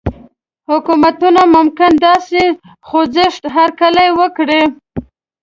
حکومتونه ممکن د داسې خوځښت هرکلی وکړي.